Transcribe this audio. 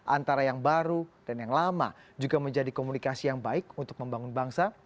antara yang baru dan yang lama juga menjadi komunikasi yang baik untuk membangun bangsa